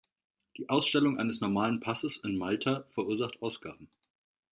Die Ausstellung eines normalen Passes in Malta verursacht Ausgaben.